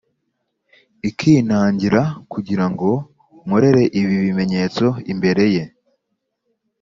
Ikinangira kugira ngo nkorere ibi bimenyetso imbereye